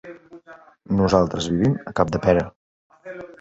Nosaltres vivim a Capdepera.